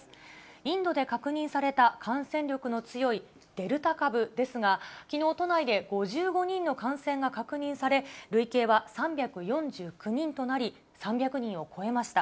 インドで確認された感染力の強いデルタ株ですが、きのう都内で５５人の感染が確認され、累計は３４９人となり、３００人を超えました。